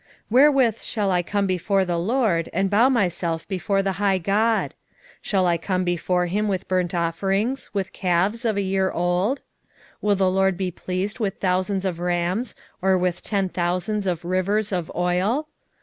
6:6 Wherewith shall I come before the LORD, and bow myself before the high God? shall I come before him with burnt offerings, with calves of a year old? 6:7 Will the LORD be pleased with thousands of rams, or with ten thousands of rivers of oil?